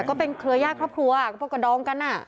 แต่ก็เป็นเธอขิรยาขั้กลัวอะพวกกระดองกันน่ะ